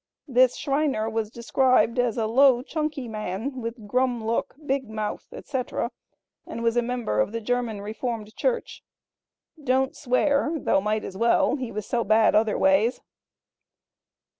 This Schriner was described as a "low chunky man, with grum look, big mouth, etc.," and was a member of the German Reformed Church. "Don't swear, though might as well; he was so bad other ways."